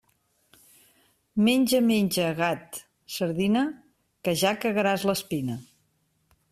Menja, menja, gat, sardina, que ja cagaràs l'espina.